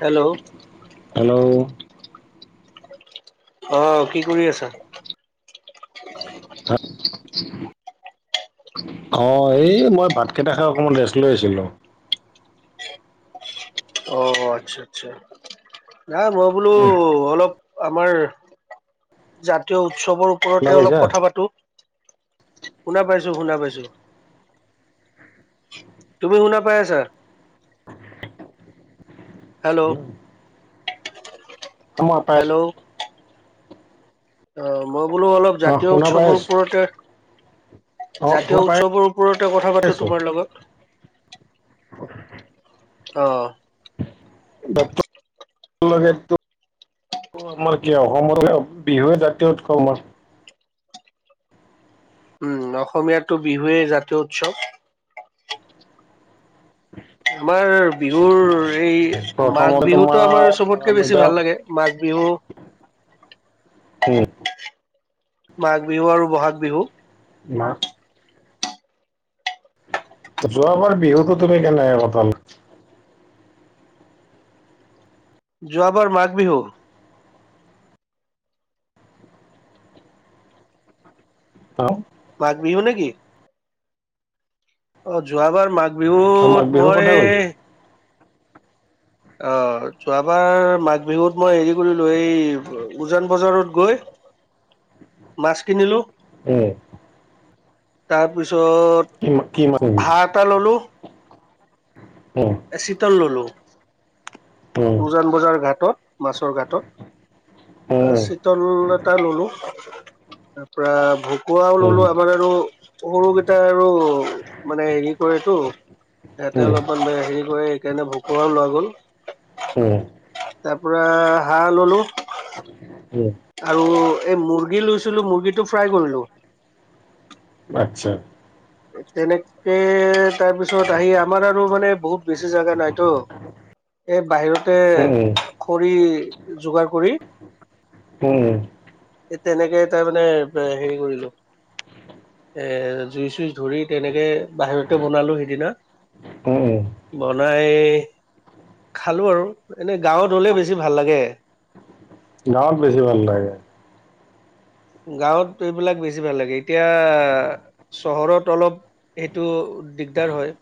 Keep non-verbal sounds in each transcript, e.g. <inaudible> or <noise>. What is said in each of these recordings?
Hello! Hello! অঁ কি কৰি আছা? পাত অঁ এই মই ভাত কেইটা খাই অকমান ৰেষ্ট লৈ আছিলো। অঁ আচ্ছা আচ্ছা। নাই মই বোলো অলপ আমাৰ জাতীয় উৎসৱৰ শুনা ওপৰতে অলপ পাইছা? কথা পাতো শুনা পাইছো শুনা পাইছো। তুমি শুনা পাই আছা হেল্লো! অঁ মই পাইছোঁ হেল্ল' অঁ মই বোলো অলপ অ জাতীয় শুনা পাই উৎসৱৰ আছো ওপৰতে অ জাতীয় শুনা পাই উৎসৱৰ ওপৰতে কথা পাতো আছো। তোমাৰ লগত অঁ! বাপুত অঁ আমাৰ কি অসমৰ বিহুৱে জাতীয় উৎসৱ মই উমঁ অসমীয়াৰতো বিহুৱেই জাতীয় উৎসৱ আমাৰ বিহুৰ এই মাঘ প্ৰথমতে বিহুতো তোমাৰ আমাৰ চবতকে বেছি ভাল লাগে মাঘ বিহু হম মাঘ বিহু আৰু বহাগ বিহু। মাক যোৱাবাৰ বিহুতো তুমি কেনেকৈ কটালা যোৱাবাৰ মাঘ বিহু অঁ! মাঘ বিহু নেকি? অঁ যোৱাবাৰ মাঘ অ মাঘ বিহুত বিহুৰ কথা মই কৈছো অঁ যোৱাবাৰ মাঘ বিহুত মই হেৰি কৰিলো এই উজান বজাৰত গৈ মাছ কিনিলো। উমঁ! তাৰপিছত কি কিমান টা ল'লোঁ উমঁ! এশীতল ল'লোঁ। উম উজান বজাৰ ঘাটত মাছৰ ঘাটত আৰু উম চিতলত আটা ললো তাৰ পৰাৰা ভকুৱাও উম ললো আমাৰ আৰু তা সৰুকেইটাই আৰু মানে হেৰি কৰেতো এয়াতে উম অলপ অবে হেৰি কৰে এইকাৰণে ভকুৱাও লোৱা গ'ল। উ তাৰ পৰা হাঁহ ল'লোঁ উম আৰু এই মুৰ্গী লৈছিলো মুৰ্গী টো ফ্ৰাই কৰিলো আচছা তেনেকে তাৰপিছত আহি আমাৰ আৰু মানে বহুত বেছি জাগা নাইতো এই বাহিৰতে উম খৰি যোগাৰ কৰি উম এই তেনেকে তাৰ মানে তে হেৰি কৰিলো এৰ জুই চুই ধৰি তেনেকে বাহিৰতে বনালো সেইদিনা উ উ বনাই খালো আৰু এনে গাঁৱত হ'লে বেছি ভাল লাগে গাঁৱত বেছি ভাল লাগে গাঁৱত এইবিলাক বেছি ভাল লাগে এতিয়া চহৰত অলপ সেইটো দিগদাৰ হয়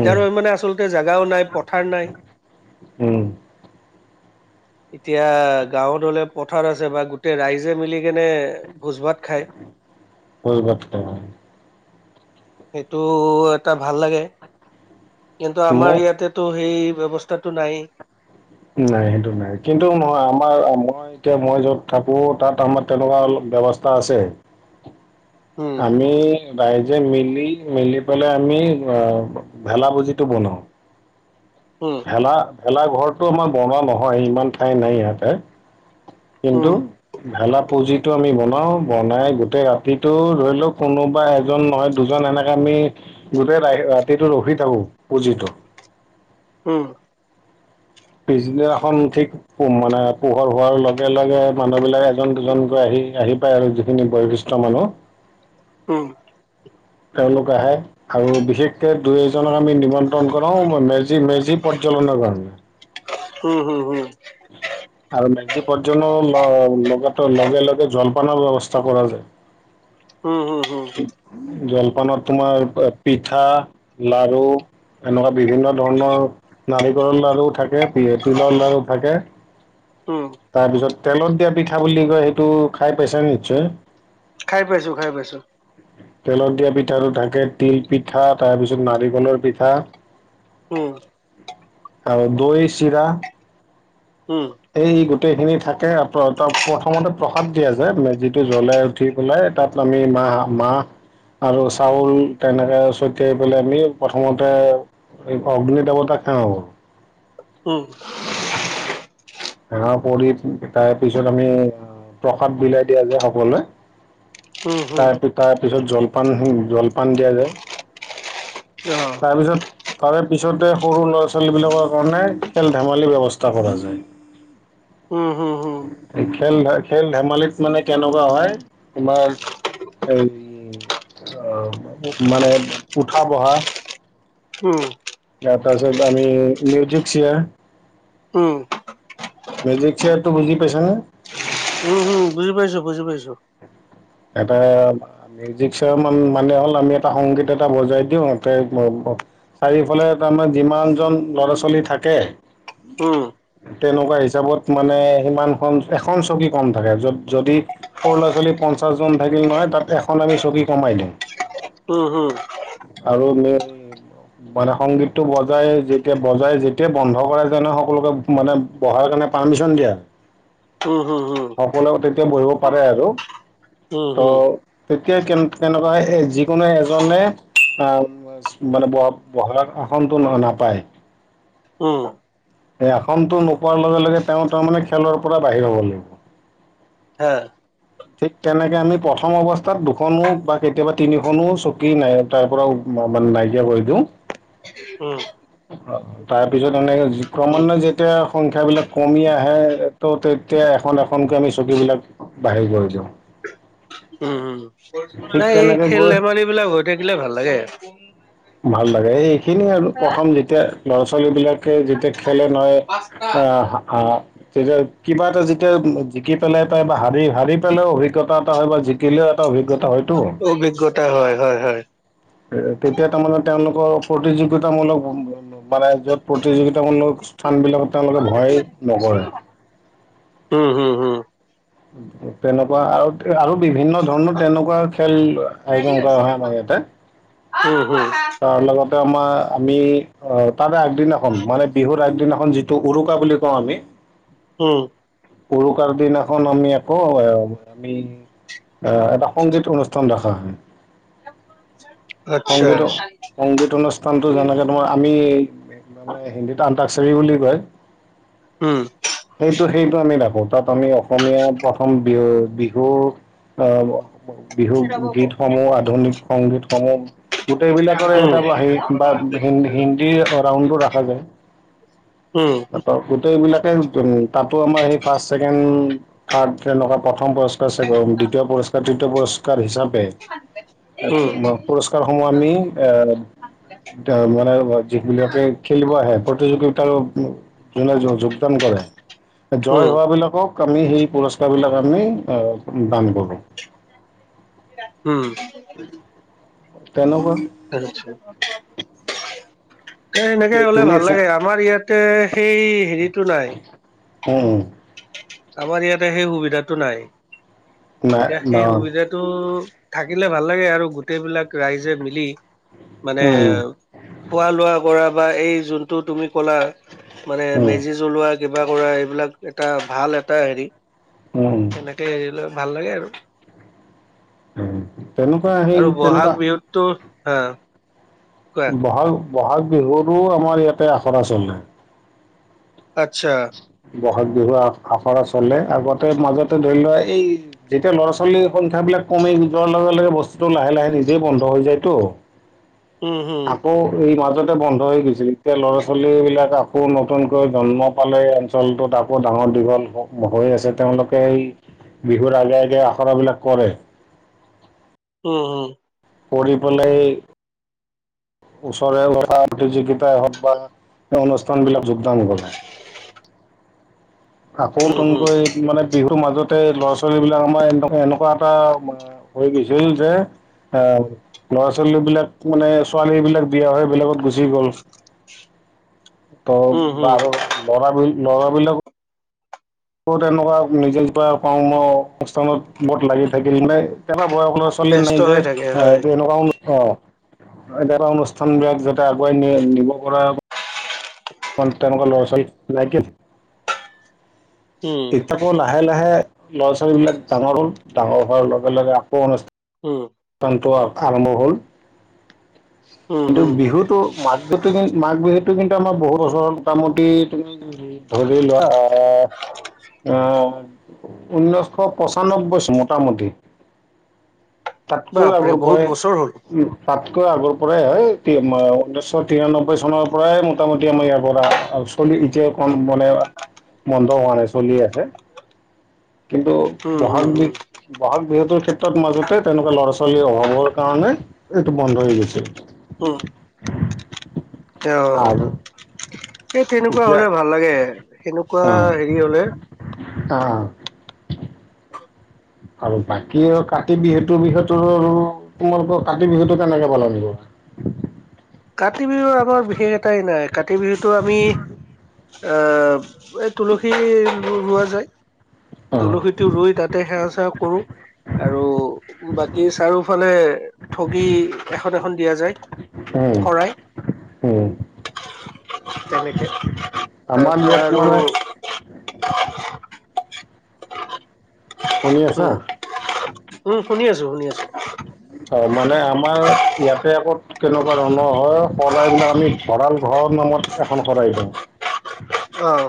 উম, হয় মানে আচলতে জোগাও নাই পথাৰ নাই উম এতিয়া গাঁৱত হ'লে পথাৰ আছে বা গোটেই ৰাইজে মিলি কেনে ভোজ ভাত খায় পৰিৱৰ্তন সেইটো এটা ভাল লাগে কিন্তু আমাৰ মোক ইয়াতে তো সেই ব্যৱস্থাতটো নাই নাই সেইটো নাই কিন্তু নহয় আমাৰ মই এতিয়া মই য'ত থাকো তাত আমাৰ তেনেকুৱাল ব্যৱস্থা আছে <unintelligible> উম আমি ৰাইজে মিলি মিলি পেলাই আমি অ ভেলা ভূজিটো বনাও উম ভেলা ভেলা ঘৰটো আমাৰ বনোৱা নহয় ইমান ঠাই নাই ইয়াঁতে উম কিন্তু ভেলা পুজিটো আমি বনাওঁ বনাই গোটেই ৰাতিটো ধৰি লওক কোনোবা এজন নহয় দুজন এনেকে আমি গোটেই ৰা ৰাতিটো ৰখি থাকো পুঁজিটো উম পিছদিনাখন ঠিক ওম মানে পোহৰ হোৱাৰ লগে লগে মানুহবিলাক এজন দুজনকৈ আহি আহি পায় আৰু যিখিনি বয়-বস্তু <unintelligible> উম তেওঁলোক আহে আৰু বিশেষকে দুই এজনক আমি নিমন্ত্ৰণ কৰাও মেজি মেজি প্ৰৰ্যলনা কাৰণে উম হুম হুম আৰু মেজি প্ৰজ্বনো লগ লগাত লগে লগে জলপানৰ ব্যৱস্থা কৰা যায় হম হুম হুম জলপানত তোমাৰ পিঠা লাৰু এনেকুৱা বিভিন্ন ধৰণৰ নাৰিকলৰ লাৰু থাকে তিলৰ লাৰু থাকে উম তাৰ পিছত তেলত দিয়া পিঠা বুলি কয় সেইটো খাই পাইছেনে নিশ্চয় খাই পাইছো খাই পাইছো। তেলত দিয়া পিঠাটো থাকে, তিল পিঠা তাৰপিছত নাৰিকলৰ পিঠা। উম। আৰু দৈ চিৰা। উম। এই গোটেই খিনি থাকে প্ৰথমতে প্ৰসাদ দিয়া যে মেজিটো জ্বলে। ঠিক ওলাই তাত আমি মাহ মাহ। আৰু চাউল তেনেকে ছটিয়াই পেলাই আমি প্ৰথমতে। এই অগ্নি দেৱটা হেৱা কৰো। উম। সেৱা কৰি তাৰ পিছত আমি প্ৰসাদ বিলাই দিয়া যে সকলোৱে। উম হুম তাৰ - তাৰ পিছত জলপান জলপান দিয়া যায়। অ তাৰপিছত। তাৰে পিছতে সৰু ল'ৰা ছোৱালীবিলাকৰ কাৰণে খেল ধেমালিৰ ব্যৱস্থা কৰা যায়। উম উম। খেল খেল ধেমালিত মানে কেনেকুৱা হয় তোমাৰ। এই মানে উঠা বহা। উম। পাৰছত আমি মিউজিক চেয়াৰ। উম। মিউজিক চ্বেয়াৰটো বুজি পাইছানে? উম হুম বুজি পাইছো বুজি পাইছো। এটা। মিউজিক মানে হ'ল আমি এটা সংগীত এটা বজাই দিওঁ ততে। চাৰিওফালে তাৰমানে যিমানজন ল'ৰা ছোৱালী থাকে। উম তেনেকুৱা হিচাপত মানে সিমানখন এখন চকী কম থাকে য যদি। সৰু ল'ৰা ছোৱালী পঞ্চাশ জন থাকিল নহয় তাত এখন আমি চকী কমাই দিওঁ। উম। আৰু মেইন। মানে সংগীততটো বজাই যেতিয়া বজাই যেতিয় বন্ধ কৰা যায় নহয় সকলোকে। মানে বহাৰ কাৰণে পাৰ্মিছন দিয়া। উ <inaudible> উম উম উম। সকলোৱ তেতিয়া বহিব পাৰে আৰু। উম ত' হুম তেতিয়া কে কেনেকুৱা হয় যিকোনো এজনে। মানে ব বহলাৰ আসনটো নাপায় <unintelligible> উম। এই আসনটো নোপোৱাৰ লগে লগে তেওঁ তাৰ মানে খেলৰ পৰা বাহিৰ হ'ব লাগিব। হা ঠিক তেনেকে আমি প্ৰথম অৱস্থাত দুখনো বা কেতিয়াবা তিনিখনো চকী নাই। তাৰ পৰাও মানে নাইকিয়া কৰি দিওঁ। উম। তাৰ পিছত এনেকে উম ক্ৰমান্বয়ে যেতিয়া সংখ্যাবিলাক কমি আহে তো। এতিয়া এখন এখনকে আমি চকীবলাক বাহিৰ কৰি দিওঁ। উম উম ঠিক নাই এই তেনেকে খেল - গৈ ধেমালি বিলাক হৈ থাকিলে ভাল লাগে। ভাল লাগে এইখিনিয়ে আৰু প্ৰথম যেতিয়া ল'ৰা ছোৱালী বিলাকে যেতিয়া খেলে নহয়। আহ আ তেতিয়া কিবা এটা যেতিয়া জিকি পেলাই পাই বা হাৰি পালেও অভিজ্ঞতা এটা হয় বা জিকিলেও অভিজ্ঞতা এটা হয় অভিজ্ঞতা হয় হয় হয় তেতিয়া তাৰমানে তেওঁলোকৰ প্ৰতিযোগিতামূলক মানে য'ত প্ৰতিযোগিতামূলক স্থান বিলাকত তেওঁলোকে ভয় নকৰে উম হু তেনেকুৱা আৰু আৰু বিভিন্ন ধৰণৰ তেনেকুৱা খেল আয়োজন কৰা হয় আমাৰ ইয়াতে উম হুম তাৰ লগতে আমাৰ আমি তাৰে আগদিনাখন মানে বিহুৰ আগদিনাখন যিটো উৰুকা বুলি কওঁ আমি উম উৰুকাৰ দিনাখন আমি আকৌ আমি আহ এটা সংগীত অনুষ্ঠান ৰাখা হয় <unintelligible> সংগীত সংগীত অনুষ্ঠানটো যেনেকে তোমাৰ আমি তাৰ মানে হিন্দীত আন্তাকচাৰী বুলি কয় উম সেইটো সেইটো আমি ৰাখো তাত আমি অসমীয়া প্ৰথম বিহু বিহু আহ বিহু গীতসমূহ আধুনিক সংগীতসমূহ গোটেই টৰে এটা উম সেই বা হিন হিন্দীৰ ৰাউণ্ডো ৰাখা যায় উম সিহঁতক গোটেইবিলাকে উম তাতো আমাৰ সেই ফাৰ্ষ্ট ছেকেণ্ড থাৰ্ত তেনেকুৱা প্ৰথম পুৰস্কাৰ চাগে গৰম দ্বিতীয় পুৰস্কাৰ তৃতীয় পুৰস্কাৰ হিচাপে উম পুৰস্কাৰসমূহ আমি আহ তেওঁ মানে যিবিলাকে খেলিব আহে প্ৰতিযোগিতাৰো যোনে যোগদান কৰে জয় উম হোৱাবিলাকক আমি সেই পুৰস্কাৰ বিলাক আমি দান কৰোঁ উম তেনেকুৱা আচ্ছা <unintelligible> এ এনেকে এই হলে তুমি ভাল ফো লাগে আমাৰ ইয়াতে সেই হেৰিটো নাই উম উম আমাৰ ইয়াতে সেই সুবিধাতো নাই নাই এতিয়া ন, সেই সুবিধাত টো থাকিলে ভাল লাগে আৰু গোটেইবিলাক ৰাইজে মিলি মানে উম, খোৱা লোৱা কৰা বা এই যোন টো তুমি ক'লা মানে উম, মেজি জ্বলোৱা কিবা কৰা এইবিলাক এটা ভাল এটা হেৰি উম এনেকে হেৰি লৈ ভাল লাগে আৰু উম। তেনেকুৱা সেই আৰু তেনেকুৱা বহাগ বিহুতো হা কোৱা বহাগ বহাগ বিহুৰো আমাৰ ইয়াতে আখৰা চলে আচ্ছা ব'হাগ বিহু আখৰা চলে আগতে মাজতে ধৰি লোৱা এই যেতিয়া ল'ৰা ছোৱালীৰ সংখ্যাবিলাক কমি যোৱাৰ লগে লগে বস্তুটো লাহে লাহে নিজেই বন্ধ হৈ যায়তো <inaudible> হম আকৌ এই মাজতে বন্ধ হৈ গৈছিল এতিয়া ল'ৰা ছোৱালী বিলাক আকৌ নতুনকৈ জন্ম পালে এই অঞ্চলটোত আকৌ ডাঙৰ দীঘল হৈ আছে তেওঁলোকে এই বিহুৰ আগে আগে আখৰাবিলাক কৰে। উম হুম। কৰি পেলাই ওচৰে পতা প্ৰতিযোগিতাই হওঁক বা অনুষ্ঠান বিলাক যোগদান কৰে। আকৌ উম হম নতুনকৈ মানে বিহুৰ মাজতে ল'ৰা ছোৱালী বিলাক আমাৰ এনেকুৱা এনেকুৱা এটা হৈ গৈছিল যে আহ ল'ৰা ছোৱালী বিলাক মানে ছোৱালী বিলাক বিয়া হৈ বেলেগত গুচি গ'ল। <inaudible> ত' হম আৰু ল'ৰা বিল ল'ৰা বিলাকো তেনেকুৱা নিজে কিবা কৰ্ম অনুষ্ঠানত বোৰত লাগি থাকিল, মানে একেটা বয়সৰ ছোৱালী ব্যস্ত নিজে হৈ থাকে হয় এ এনেকুৱা অ এনেকুৱা অনুষ্ঠান বিলাক যাতে আগুৱাই নি নিব পৰা অ তেনেকুৱা ল'ৰা ছোৱালী লাইকে উম। আকৌ লাহে লাহে ল'ৰা ছোৱালী বিলাক ডাঙৰ হ'ল, ডাঙৰ হোৱাৰ লগে লগে আকৌ অনুষ্ঠান উম। ষ্ঠানটো আৰম্ভ হ'ল। উম কিন্তু হম বিহুতো মাঘটো তুমি মাঘ বিহুতটো কিন্তু আমাৰ বহুত বছৰ মোটামুটি তুমি ধৰি লোৱা আহ আহ ঊনৈছশ পঁচান্নব্বৈ মোটামুটি <inaudible> তাতকৈও আগৰ বহুত পৰাই বছৰ হ'ল উম্ তাত কৈ আগৰ পৰাই হয়, টি ম ঊনৈশ তিৰান্নব্বৈ চনৰ পৰাই মোটামুটি আমাৰ ইয়াৰ পৰা চলি এতিয়া অকনমানে বন্ধ হোৱা নাই চলি আছে। <inaudible> কিন্তু উম হম বহাগ বি হম বহাগ বিহুতো ক্ষেত্ৰত মাজতে তেনেকুৱা ল'ৰা ছোৱালী অভাৱৰ কাৰণে এইটো বন্ধ হৈ গৈছে। উম অ অ। আৰু এই তেনেকুৱা এতিয়া হ'লে ভাল লাগে, সেনেকুৱা অ' হেৰি হ'লে। অ। আৰু বাকী আৰু কাতি বিহুটো বিষয়ে তোৰ আৰু তোমালোকৰ কাতি বিহুটো কেনেকে পালন কৰোঁ? কাতি বিহুৰ আমাৰ বিশেষখটাই নাই, কাতি বিহুটো আমি অঁ এই তুলসীৰ ৰোৱা যায়, অ' তুলসীটো ৰুই তাতে সেৱা চেৱা কৰোঁ। আৰু বাকী চাৰিওফালে ঠগি এখন এখন দিয়া যায়। উম শৰাই উম। তেনেকে আমাৰ তাৰপৰা ইয়াত আৰু মানে শুনি আছা? উম উম শুনি আছোঁ শুনি আছোঁ। হয় মানে আমাৰ ইয়াতে আকৌ তেনেকুৱা ধৰণৰ হয় শৰাইবিলাক আমি ভঁৰাল ঘৰৰ নামত এখন শৰাই দিওঁ। অঁ।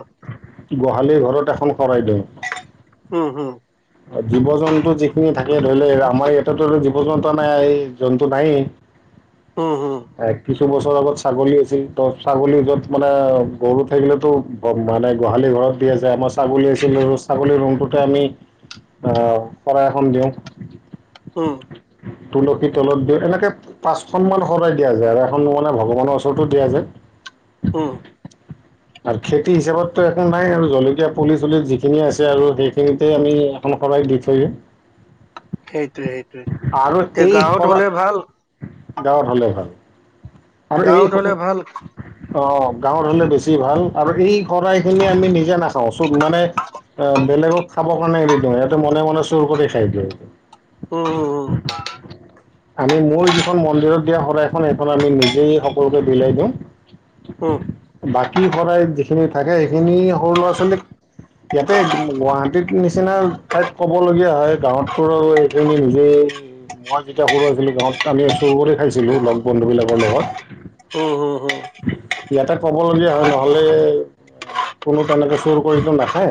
গোহালিৰ ঘৰত এখন শৰাই দিওঁ', উম', - হুম', অ', জীৱ জন্তু যিখিনি থাকে ধৰি ল আমাৰ ইয়াতেটো জীৱ জন্তু আমাৰ এই', -এই', জন্তু নাই', উম', - হুম', এ কিছু বছৰ আগত ছাগলী আছিল, ত ছাগলী য'ত মানে গৰু থাকিলেতো', অ', মানে গোহালি ঘৰত দিয়ে যে আমাৰ ছাগলী আছিল ছাগলী ৰুমটোতে আমি', অ', শৰাই এখন দিওঁ', উম', তুলসী তলত দিওঁ, এনেকে', পাঁচখন মান শৰাই দিয়া যায় আৰু এখন মানে ভগৱানৰ ওচৰতো দিয়ে যে', উম', আৰু খেতি হিচাপতো একো নাই আৰু জলকীয়া পুলি - চুলি যিখিনি আছে আৰু সেইখিনিতে আমি', এখন শৰাই দি থয় দিওঁ', সেইটোৱে - সেইটোৱে, এতিয়া গাঁৱত হ'লে ভাল', গাঁৱৰ হ'লে ভাল, আৰু গাঁৱত হলে এইসমূহ', অ', ভাল -অ', -অ', গাঁৱত হ'লে বেছি ভাল আৰু এই শৰাই খিনি আমি নিজে নাখাওঁ চোন মানে', এই বেলেগক খাবৰ কাৰণে এৰি দিওঁ সিহঁতে মনে - মনে চোৰ কৰি খাই দিওঁ এইটো', হুম', আমি, মোৰ যিখন মন্দিৰত দিয়া শৰাইখন সেইখন আমি নিজেই সকলোকে বিলাই দিওঁ', <unintelligible> বাকী শৰাইত যিখিনি থাকে সেইখিনি সৰু ল'ৰা - ছোৱালীক', ইয়াতে গুৱাহাটীত নিচিনা', ঠাইত ক'ব লগীয়া হয়, গাঁৱতো আৰু সেইখিনি নিজেই', মই যেতিয়া সৰু আছিলোঁ, গাঁৱত আমি চোৰ কৰি খাইছিলোঁ লগ বন্ধু বিলাকৰ লগত', হম', - হুম', - হুম', ইয়াতে ক'ব লগীয়া হয় নহ'লে', কোনো তেনেকে চোৰ কৰি তো নাখাই',